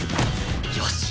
よし！